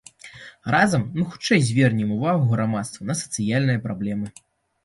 Разам мы хутчэй звернем ўвагу грамадства на сацыяльныя праблемы.